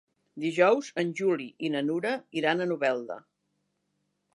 Dijous en Juli i na Nura iran a Novelda.